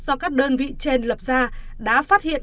do các đơn vị trên lập ra đã phát hiện